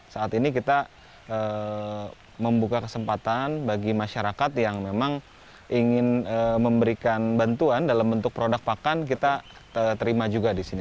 saat ini kita membuka kesempatan bagi masyarakat yang memang ingin memberikan bantuan dalam bentuk produk pakan kita terima juga di sini